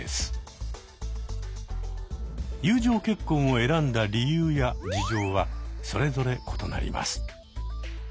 友情結婚を選んだ理由や事情はそれぞれ異なります。